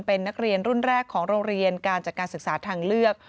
เป็นนักเรียนรุ่นแรกของโรงเรียนการจัดการศึกษาทางเลือก